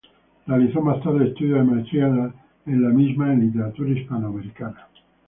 Realizó más tarde estudios de maestría en la misma en literatura hispanoamericana.